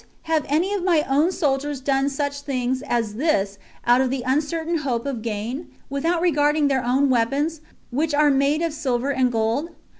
have any of my own soldiers done such things as this out of the uncertain hope of gain, without regarding their own weapons, which are made of silver and gold?